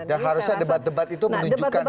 dan harusnya debat debat itu menunjukkan itu ya